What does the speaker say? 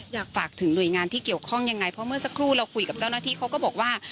อยากฝากถึงหน่วยงานที่เกี่ยวข้องยังไงเพราะเมื่อสักครู่เราคุยกับเจ้าหน้าที่เขาก็บอกว่า